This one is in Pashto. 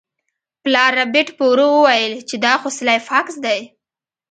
پلار ربیټ په ورو وویل چې دا خو سلای فاکس دی